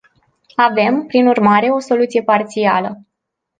Avem, prin urmare, o soluție parțială.